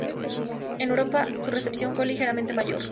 En Europa su recepción fue ligeramente mejor.